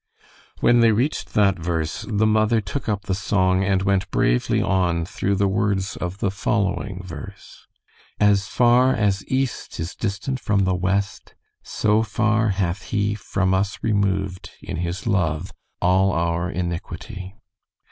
When they reached that verse, the mother took up the song and went bravely on through the words of the following verse: "As far as east is distant from The west, so far hath he From us removed, in his love, All our iniquity."